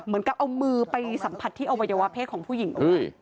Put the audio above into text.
เหมือนกับเอามือไปสัมผัสที่อวัยวะเพศของผู้หญิง